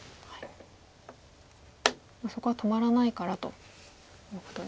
そこは止まらないからということで。